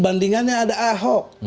bandingannya ada ahok